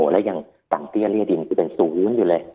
แล้วยังฝั่งเตี้ยเรียดินคือเป็นสูงหุ้นอยู่เลย